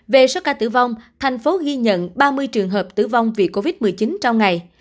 về số ca tử vong thành phố ghi nhận ba mươi trường hợp tử vong vì covid một mươi chín trong ngày